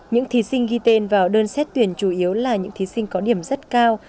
những thí sinh ghi tên vào đơn xét tuyển chủ yếu là những thí sinh có điểm rất cao